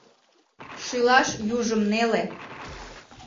Шӱлаш южым неле.